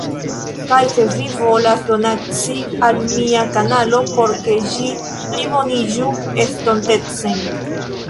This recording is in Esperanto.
Kaj se vi volas donaci al mia kanalo por ke ĝi pliboniĝu estontecen